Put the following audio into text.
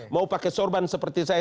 mau pakai sorban seperti saya